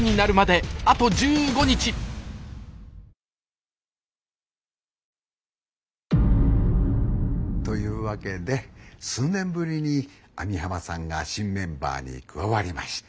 はあっ？というわけで数年ぶりに網浜さんが新メンバーに加わりました。